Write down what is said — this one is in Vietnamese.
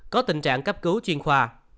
có tình trạng cấp cứu chuyên khoa